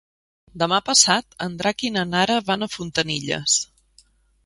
Demà passat en Drac i na Nara van a Fontanilles.